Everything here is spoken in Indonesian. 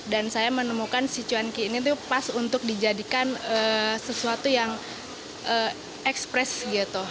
dan saya menemukan si cuanki ini tuh pas untuk dijadikan sesuatu yang ekspres gitu